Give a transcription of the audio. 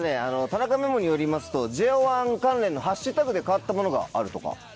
田中ＭＥＭＯによりますとＪＯ１関連のハッシュタグで変わったものがあるとか。